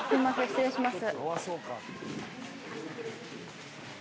失礼します。